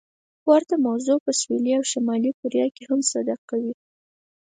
ورته موضوع په سویلي او شمالي کوریاګانو کې هم صدق کوي.